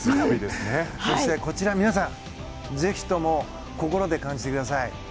そして皆さん、ぜひとも心で感じてください。